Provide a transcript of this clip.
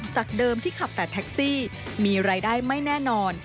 จากเดิมที่ขับแต่แท็กซี่มีรายได้ไม่แน่นอน